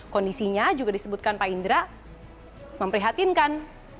kondisinya juga disebutkan pak indra memprihatinkan